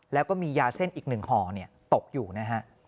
แล้วก็มียาเส้นอีก๑ห่อตกอยู่นะฮะ